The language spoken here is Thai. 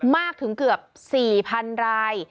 มากถึงเกือบ๔๐๐๐ราย